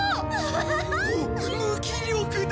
おおっ無気力だ！